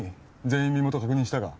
全員身元確認したか？